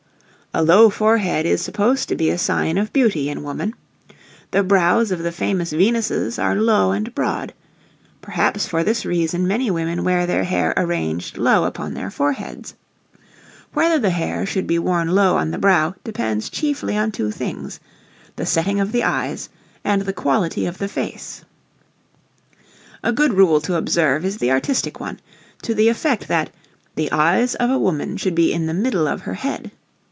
A low forehead is supposed to be a sign of beauty in woman. The brows of the famous Venuses are low and broad. Perhaps for this reason many women wear their hair arranged low upon their foreheads. Whether the hair should be worn low on the brow depends chiefly on two things, "the setting of the eyes, and the quality of the face." [Illustration: NO. 8 1/2] A good rule to observe is the artistic one, to the effect that "the eyes of a woman should be in the middle of her head."